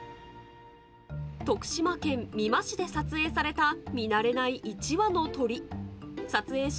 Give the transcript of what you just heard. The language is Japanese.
徳島県美馬市で撮影された見慣れない１羽の鳥。